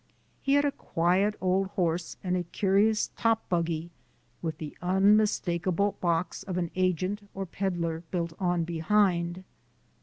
He had a quiet old horse and a curious top buggy with the unmistakable box of an agent or peddler built on behind.